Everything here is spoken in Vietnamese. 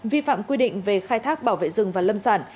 vi phạm quy định về khai thác bảo vệ rừng và lâm sản